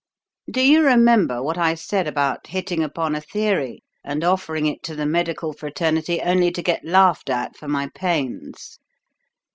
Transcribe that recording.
Do you remember what I said about hitting upon a theory and offering it to the medical fraternity, only to get laughed at for my pains?